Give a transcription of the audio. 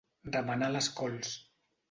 Remenar les cols.